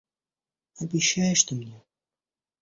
Обещаешь ты мне?...